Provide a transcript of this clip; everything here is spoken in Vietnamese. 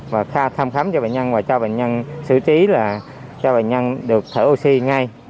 và thăm khám cho bệnh nhân và cho bệnh nhân sử trí là cho bệnh nhân được thở oxy ngay